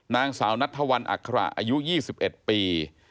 นางสาวนัทธวันอัคระอายุ๒๑ปี